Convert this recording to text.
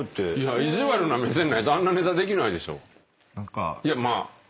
意地悪な目線ないとあんなネタできないでしょ。